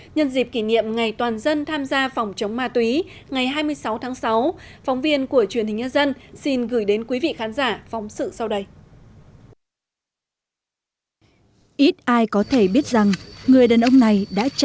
nhân dịp kỷ niệm ngày toàn dân tham gia phòng chống ma túy ngày hai mươi sáu tháng sáu phóng viên của truyền hình nhân dân xin gửi đến quý vị khán giả phóng sự sau đây